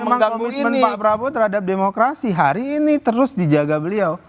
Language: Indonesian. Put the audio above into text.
memang komitmen pak prabowo terhadap demokrasi hari ini terus dijaga beliau